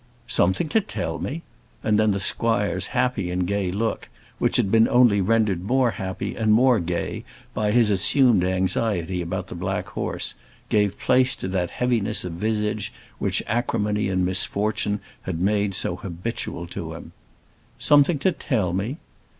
"Something to tell me!" and then the squire's happy and gay look, which had been only rendered more happy and more gay by his assumed anxiety about the black horse, gave place to that heaviness of visage which acrimony and misfortune had made so habitual to him. "Something to tell me!"